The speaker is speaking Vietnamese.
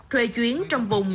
thuê chuyến trong vùng